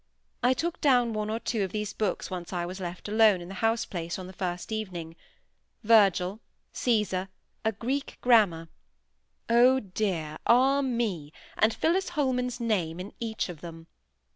I took down one or two of those books once when I was left alone in the house place on the first evening—Virgil, Caesar, a Greek grammar—oh, dear! ah, me! and Phillis Holman's name in each of them!